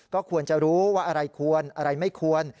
ก็ควรจะรู้ว่าอะไรควรอะไรไม่ควร